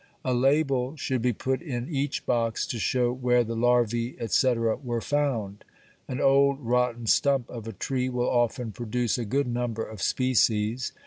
A label should be put in each box to show where the larvæ, etc., were found. An old rotten stump of a tree will often produce a good number of species.